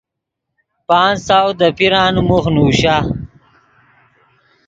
پانچ سو دے پیرانے موخ نوشا۔